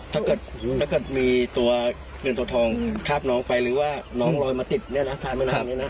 ถ้าเกิดมีตัวเปลืองตัวทองคาบน้องไปหรือว่าน้องลอยมาติดเนี่ยนะทายแม่น้ำนี้นะ